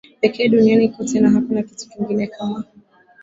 pekee duniani kote na hakuna kitu kingine kama